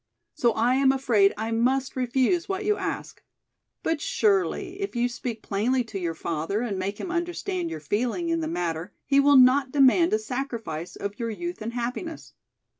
So I am afraid I must refuse what you ask. But surely if you speak plainly to your father and make him understand your feeling in the matter, he will not demand a sacrifice of your youth and happiness.